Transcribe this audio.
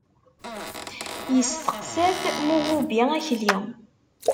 Yesteqsa-t Muhubi Akli.